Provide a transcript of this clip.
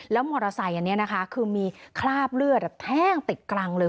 มอเตอร์ไซค์อันนี้นะคะคือมีคราบเลือดแท่งติดกลางเลย